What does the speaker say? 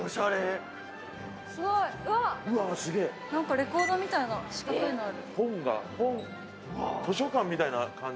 レコードみたいな四角いのある。